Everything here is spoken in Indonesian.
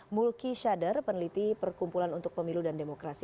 mulki syadar peneliti perkumpulan untuk pemilu dan demokrasi